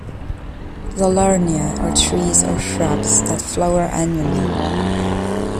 "Zollernia" are trees or shrubs that flower annually.